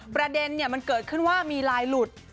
ประเด็นมันเกิดขึ้นว่ามีลายหลุด